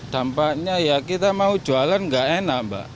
dampaknya ya kita mau jualan enggak enak pak